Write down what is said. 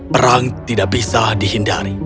perang tidak bisa dihindari